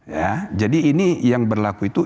ya jadi ini yang berlaku itu